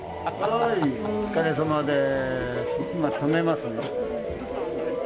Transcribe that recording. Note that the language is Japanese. お疲れさまです。